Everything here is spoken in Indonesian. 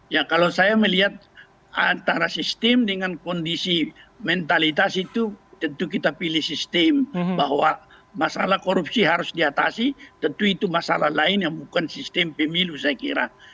ya kalau saya melihat antara sistem dengan kondisi mentalitas itu tentu kita pilih sistem bahwa masalah korupsi harus diatasi tentu itu masalah lain yang bukan sistem pemilu saya kira